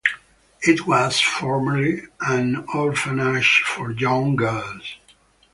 It was formerly an orphanage for young girls.